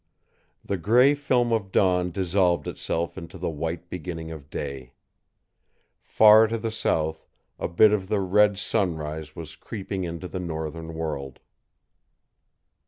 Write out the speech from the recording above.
The gray film of dawn dissolved itself into the white beginning of day. Far to the south, a bit of the red sunrise was creeping into the northern world.